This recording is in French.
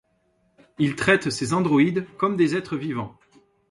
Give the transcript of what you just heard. Il traite ses androïdes comme des êtres vivants.